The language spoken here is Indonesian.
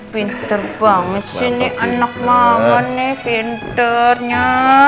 pinter banget sih nih anak mama pinternya